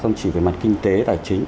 không chỉ về mặt kinh tế tài chính